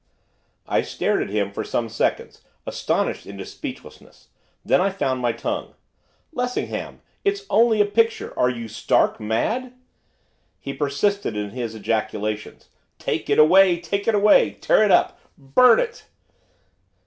I stared at him, for some seconds, astonished into speechlessness. Then I found my tongue. 'Lessingham! It's only a picture! Are you stark mad?' He persisted in his ejaculations. 'Take it away! take it away! Tear it up! Burn it!